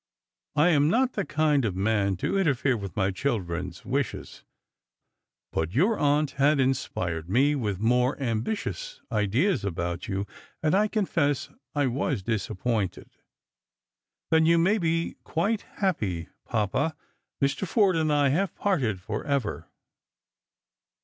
I am not the kind of man to intefere with my children's wishes ; but your aunt had inspired me with more ambitious ideas about you.'and I confess I was disappointed." " Tlien you may be quite happy, papa ; Mr. Forde and I have parted for ever."